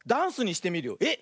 えっ！